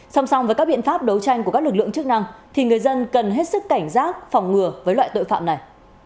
song song với các biện pháp đấu tranh của các lực lượng chức năng thì người dân cần hết sức cảnh giác phòng ngừa với loại tội phạm này